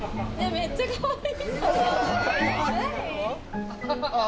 めっちゃかわいい。